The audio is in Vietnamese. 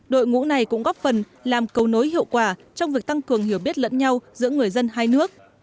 đội ngũ này cũng góp phần làm cầu nối hiệu quả trong việc tăng cường hiểu biết lẫn nhau giữa người dân hai nước